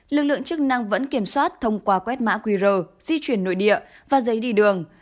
lực lượng chức năng vẫn kiểm soát thông qua quét mã qr di chuyển nội địa và giấy đi đường